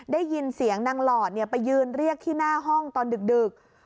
ได้ยินเสียงนางหลอดไปยืนเรียกที่หน้าห้องตอนดึก